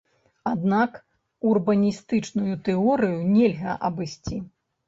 Аднак урбаністычную тэорыю нельга абысці.